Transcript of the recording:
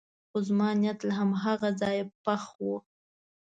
خو زما نیت له هماغه ځایه پخ و.